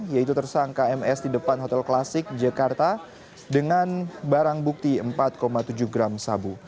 yaitu tersangka ms di depan hotel klasik jakarta dengan barang bukti empat tujuh gram sabu